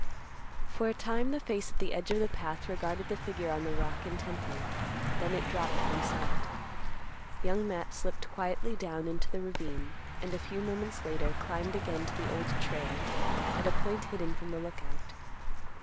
For a time the face at the edge of the path regarded the figure on the rock intently; then it dropped from sight. Young Matt slipped quietly down into the ravine, and a few moments later climbed again to the Old Trail at a point hidden from the Lookout.